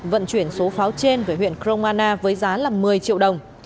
vận chuyển số pháo trên về huyện kroana với giá là một mươi triệu đồng